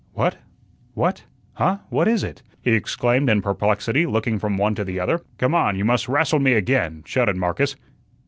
"What? What? Huh? What is it?" he exclaimed in perplexity, looking from one to the other. "Come on, you must rastle me again," shouted Marcus.